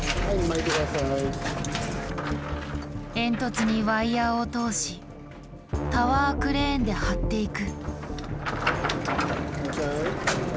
煙突にワイヤーを通しタワークレーンで張っていく。